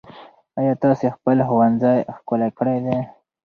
ايا تاسې خپل ښوونځی ښکلی کړی دی؟